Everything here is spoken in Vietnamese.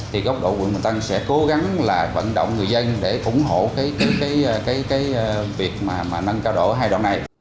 thì góc độ quận bình tân sẽ cố gắng là vận động người dân để ủng hộ cái việc mà nâng cao độ hai đoạn này